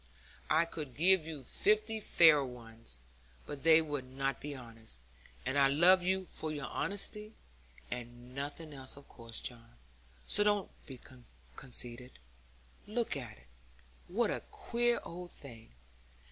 I could give you fifty fairer ones, but they would not be honest; and I love you for your honesty, and nothing else of course, John; so don't you be conceited. Look at it, what a queer old thing!